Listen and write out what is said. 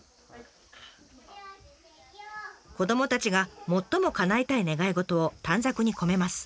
子どもたちが最もかなえたい願い事を短冊に込めます。